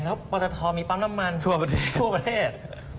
แล้วปรัฐทรมีปั้มน้ำมันทั่วประเทศ